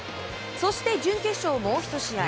そして、準決勝もう１試合。